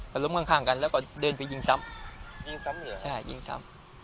ล้มข้างข้างกันแล้วก็เดินไปยิงซ้ำยิงซ้ำเหรอใช่ยิงซ้ำ